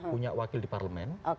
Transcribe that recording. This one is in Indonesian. punya wakil di parlemen